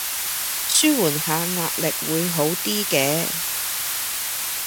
紓緩下壓力會好啲嘅